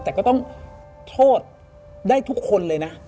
แต่ก็ต้องโทษได้ทุกคนเลยนะ